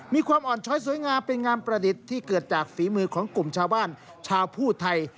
มีความอ่อนช้อยสวยงามเป็นงานประดิษฐ์ที่เกิดจากฝีมือของกลุ่มชาวบ้านชาวผู้ไทย